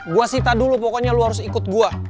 gua sih tadu lu pokoknya lu harus ikut gua